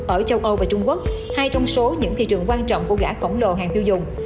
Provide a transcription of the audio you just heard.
ở châu âu và trung quốc hai trong số những thị trường quan trọng của gã khổng lồ hàng tiêu dùng